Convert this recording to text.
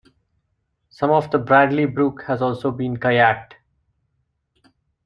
Some of the Bradley brook has also been kayaked.